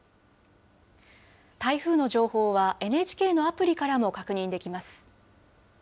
台風の情報はＮＨＫのアプリからも確認できます。